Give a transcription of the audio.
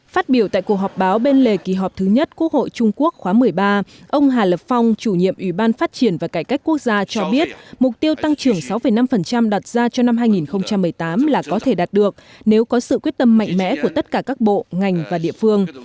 phát biểu tại cuộc họp báo bên lề kỳ họp thứ nhất quốc hội trung quốc khóa một mươi ba ông hà lập phong chủ nhiệm ủy ban phát triển và cải cách quốc gia cho biết mục tiêu tăng trưởng sáu năm đặt ra cho năm hai nghìn một mươi tám là có thể đạt được nếu có sự quyết tâm mạnh mẽ của tất cả các bộ ngành và địa phương